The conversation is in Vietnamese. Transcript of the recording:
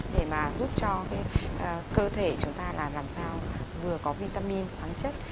để mà giúp cho cái cơ thể chúng ta làm sao vừa có vitamin khoáng chất